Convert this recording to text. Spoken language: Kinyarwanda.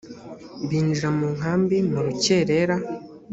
binjira mu nkambi mu rukerera